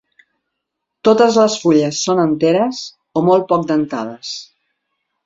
Totes les fulles són enteres o molt poc dentades.